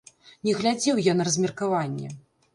Не глядзеў я на размеркаванне.